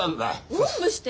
おんぶして？